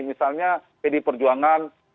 misalnya pd perjuangan